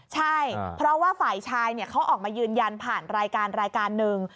ใช่เพราะว่าฝ่ายชายเขาออกมายืนยันผ่านรายการรายการหนึ่ง